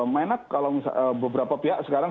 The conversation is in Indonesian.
menak kalau beberapa pihak sekarang